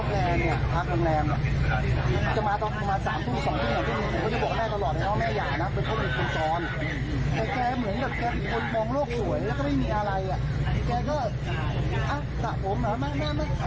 มาแกชอบมองโลกสวย